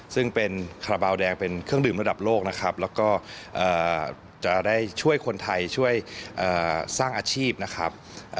ซึ่งเป็นคาราบาลแดงเป็นเครื่องดื่มระดับโลกนะครับแล้วก็จะได้ช่วยคนไทยช่วยสร้างอาชีพนะครับ